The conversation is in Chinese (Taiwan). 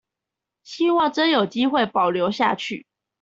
希望真的有機會保留下去